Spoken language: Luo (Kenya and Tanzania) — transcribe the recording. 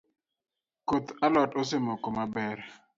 Koth alot osemoko maber